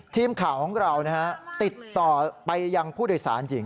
ทีมข่าวของเราติดต่อไปยังผู้โดยสารหญิง